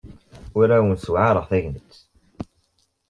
Ur awen-ssewɛaṛeɣ tagnit.